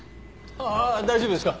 ああ大丈夫ですか？